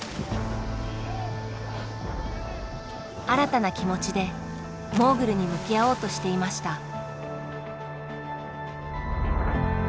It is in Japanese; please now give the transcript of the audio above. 新たな気持ちでモーグルに向き合おうとしていました。